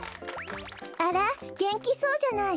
あらげんきそうじゃない。